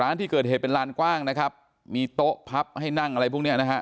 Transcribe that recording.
ร้านที่เกิดเหตุเป็นลานกว้างนะครับมีโต๊ะพับให้นั่งอะไรพวกเนี้ยนะฮะ